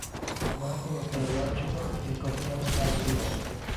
In ordine cronologico ricordiamo tali rivolte.